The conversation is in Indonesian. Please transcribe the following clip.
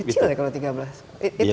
ya kecil ya kalau tiga belas triliun